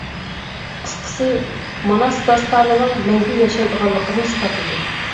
قىسقىسى، ماناس داستانىنىڭ مەڭگۈ ياشايدىغانلىقىنى ئىسپاتلىدى.